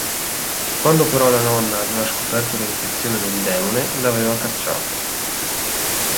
Quando però la nonna aveva scoperto le intenzioni del demone l'aveva cacciato.